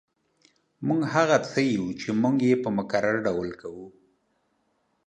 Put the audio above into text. موږ هغه څه یو چې موږ یې په مکرر ډول کوو